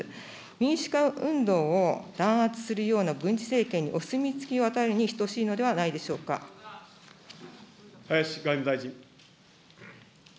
民主化運動を弾圧するような軍事政権にお墨付きを与えるに等しい林外務大臣。